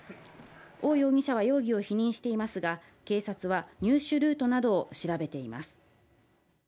オウ容疑者は容疑を否認していますが、警察は入手ルートなどを調べています。